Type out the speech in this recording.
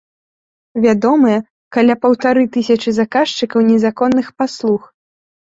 Вядомыя каля паўтары тысячы заказчыкаў незаконных паслуг.